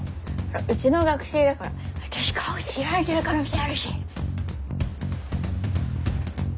うちの学生だから私顔知られてる可能性あるし。